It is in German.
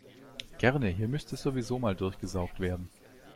Gerne, hier müsste sowieso mal durchgesaugt werden.